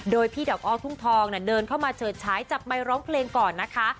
โดยพี่ดอกอ้อทุ่งทองเดินเข้ามาเฉิดฉายจับไมค์ร้องเพลงก่อนนะคะ